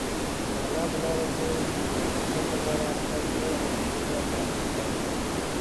د الله په لاره کې د پرمختګ لپاره خپل زړه او فکرونه پاک ساتل.